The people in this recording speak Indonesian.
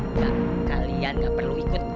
enggak kalian gak perlu ikut